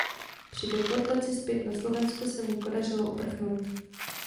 Při deportaci zpět na Slovensko se mu podařilo uprchnout.